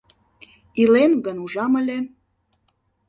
Илем гын, ужам ыле.